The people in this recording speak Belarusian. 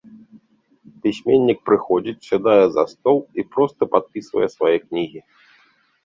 Пісьменнік прыходзіць, сядае за стол і проста падпісвае свае кнігі.